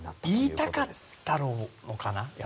言いたかったのかな。